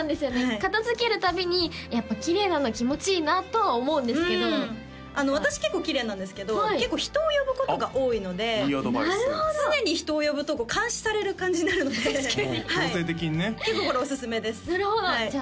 片づける度にやっぱきれいなの気持ちいいなとは思うんですけど私結構きれいなんですけど人を呼ぶことが多いので常に人を呼ぶと監視される感じになるので確かにはい結構これおすすめですなるほどじゃあ